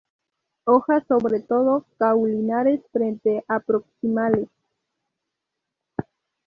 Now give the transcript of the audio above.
Hojas sobre todo caulinares, frente a proximales.